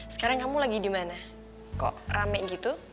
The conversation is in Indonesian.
sekarang kamu lagi di mana kok rame gitu